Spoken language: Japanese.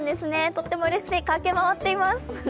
とってもうれしい、駆け回っています。